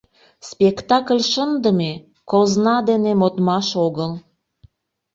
Спектакль шындыме — козна дене модмаш огыл.